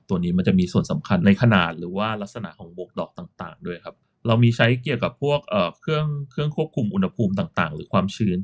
ตัวนี้มันจะมีส่วนสำคัญในขนาดหรือว่ารักษณะของบวกดอกต่างต่างด้วยครับเรามีใช้เกี่ยวกับพวกเครื่องเครื่องควบคุมอุณหภูมิต่างต่างหรือความชื้น